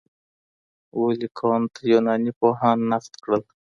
ولي کُنت يوناني پوهان نقد کړل؟